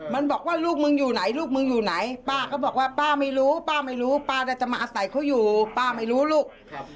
มันบอกว่าลูกมึงอยู่ไหนลูกมึงอยู่ไหนป้าก็บอกว่าป้าไม่รู้ป้าไม่รู้ป้าจะมาอาศัยเขาอยู่ป้าไม่รู้ลูก